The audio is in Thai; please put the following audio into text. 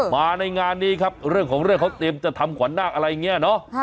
มาในงานนี้ครับเรื่องของเรื่องเขาเตรียมจะทำขวัญนาคอะไรอย่างนี้เนาะ